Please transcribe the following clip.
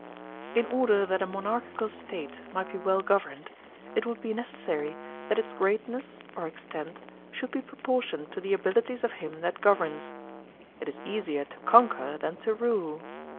In order that a monarchical State might be well gov erned, it would be necessary that its greatness or extent should be proportioned to the abilities of him that gov erns. It is easier to conquer than to rule.